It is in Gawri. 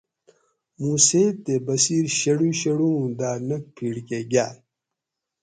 مُوں سیت تے بسیر شڑو شڑو اُوں داۤ نک پھِیٹ کۤہ گاۤ